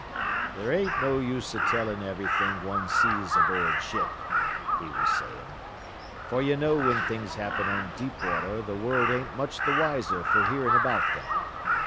"There ain't no use of tellin' everything one sees aboard ship," he was saying, "for you know whin things happen on deep water th' world ain't much th' wiser fer hearing about them.